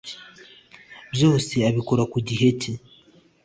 Byose abikora ku gihe cye